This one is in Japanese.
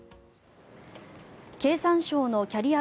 経産省のキャリア